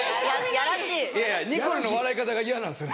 いやらしい。にこるんの笑い方が嫌なんですよ